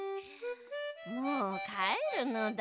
もうかえるのだ。